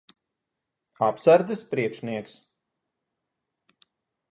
Apsardzes priekšnieks.